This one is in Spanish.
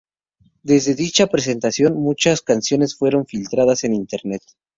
Desde dicha presentación, muchas canciones fueron filtradas en Internet.